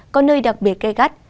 có nơi đặc biệt gây gắt